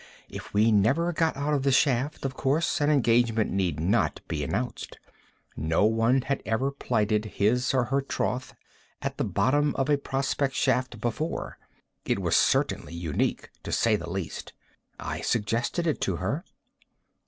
If we never got out of the shaft, of course an engagement need not be announced. No one had ever plighted his or her troth at the bottom of a prospect shaft before. It was certainly unique, to say the least. I suggested it to her.